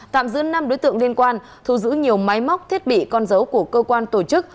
tạm giữ năm đối tượng liên quan thu giữ nhiều máy móc thiết bị con dấu của cơ quan tổ chức